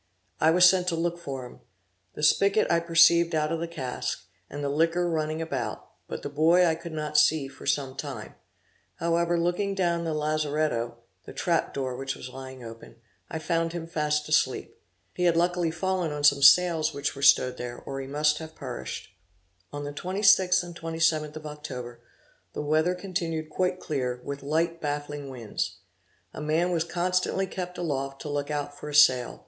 I was sent to look for him. The spigot I perceived out of the cask, and the liquor running about, but the boy I could not see for some time; however looking down the lazeretto (the trap door of which was lying open), I found him fast asleep. He had luckily fallen on some sails which were stowed there, or he must have perished. On the 26th and 27th of Oct. the weather continued quite clear, with light baffling winds. A man was constantly kept aloft to look out for a sail.